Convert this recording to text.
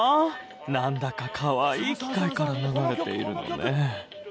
なんだかかわいい機械から流れているのね。